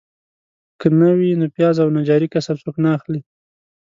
که نه وي نو پیاز او نجاري کسب څوک نه اخلي.